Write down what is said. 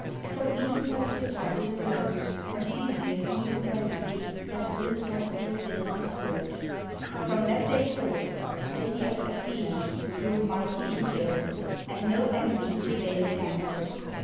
So (Edipus departed alone, and Theseus knew presently that Zeus had fulfilled his word. 13 GREECE From that day forth, the city of Athene grew mighty in the earth, and no enemy prevailed against it.